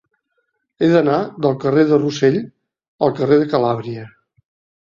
He d'anar del carrer de Rossell al carrer de Calàbria.